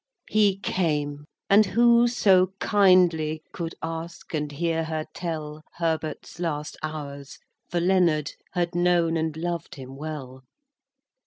VI. He came. And who so kindly Could ask and hear her tell Herbert's last hours; for Leonard Had known and loved him well.